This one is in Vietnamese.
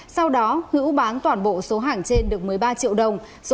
sau đó hữu bán toàn bộ số hàng trên được một mươi ba triệu đồng